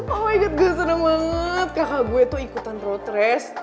oh my god gak seneng banget kakak gue tuh ikutan road race